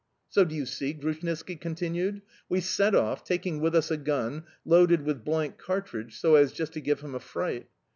"So, do you see?" Grushnitski continued. "We set off, taking with us a gun, loaded with blank cartridge, so as just to give him a fright.